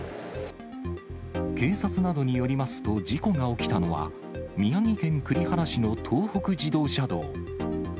警察などによりますと、事故が起きたのは、宮城県栗原市の東北自動車道。